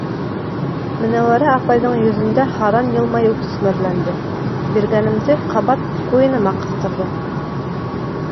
Менәүәрә апайҙың йөҙөндә һаран йылмайыу төҫмөрләнде, биргәнемде ҡабат ҡуйыныма ҡыҫтырҙы: